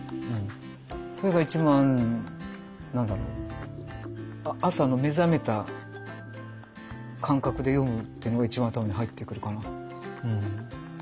それが一番何だろう朝の目覚めた感覚で読むっていうのが一番頭に入ってくるかな。